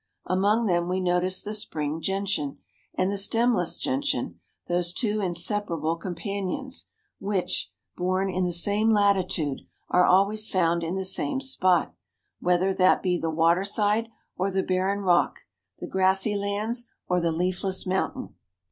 Among them we noticed the spring gentian, and the stemless gentian, those two inseparable companions, which, born in THE PIC DU MIDI. 113 the same latitude, are always found in the same spot, whether that be the water side, or the barren rock, the grassy lands, or the leafless mountain.